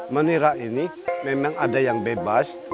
menira ini memang ada yang bebas